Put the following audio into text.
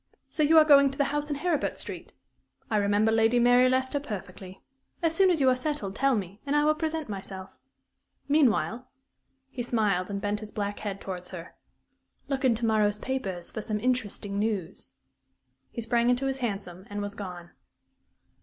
So you are going to the house in Heribert Street? I remember Lady Mary Leicester perfectly. As soon as you are settled, tell me, and I will present myself. Meanwhile " he smiled and bent his black head towards her "look in to morrow's papers for some interesting news." He sprang into his hansom and was gone.